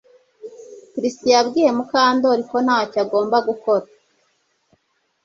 Trix yabwiye Mukandoli ko ntacyo agomba gukora